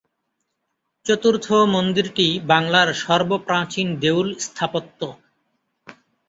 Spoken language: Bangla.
চতুর্থ মন্দিরটি বাংলার সর্বপ্রাচীন দেউল স্থাপত্য।